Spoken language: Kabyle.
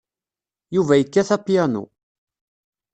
Yuba yekkat apyanu.